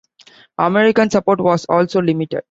American support was also limited.